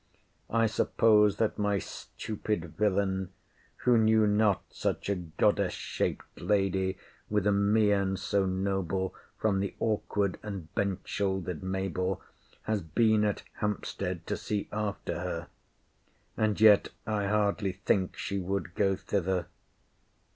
I suppose that my stupid villain, who knew not such a goddess shaped lady with a mien so noble, from the awkward and bent shouldered Mabell, has been at Hampstead to see after her. And yet I hardly think she would go thither.